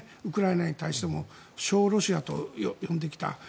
ウクライナに対しても小ロシアと呼んできた。